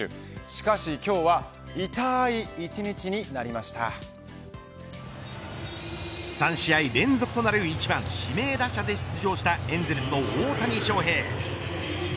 しかし今日は３試合連続となる１番指名打者で出場したエンゼルスの大谷翔平。